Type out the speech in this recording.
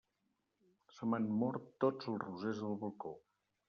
Se m'han mort tots els rosers del balcó.